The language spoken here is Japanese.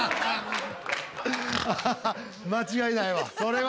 間違いないわ。